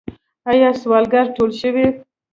آیا سوالګر ټول شوي؟